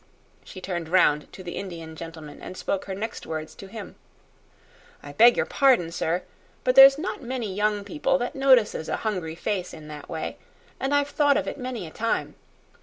She turned round to the Indian gentleman and spoke her next words to him. "I beg your pardon, sir, but there's not many young people that notices a hungry face in that way; and I've thought of it many a time.